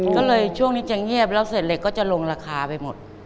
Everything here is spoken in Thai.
ก็เลยช่วงนี้จะเงียบแล้วเสร็จเหล็กก็จะลงราคาไปหมด